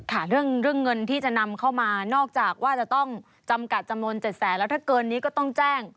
ค่ะเรื่องเงินที่จะนำเข้ามานอกจากว่าจะต้องจำกัดจำนวน๗แสนแล้วถ้าเกินนี้ก็ต้องแจ้ง